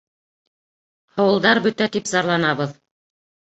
— Ауылдар бөтә тип зарланабыҙ.